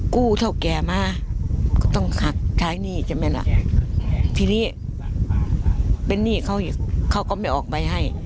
กู้เท่าแก่มาก็ต้องหักใช้หนี้ใช่ไหมล่ะทีนี้เป็นหนี้เขาอีกเขาก็ไม่ออกใบให้